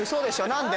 何で？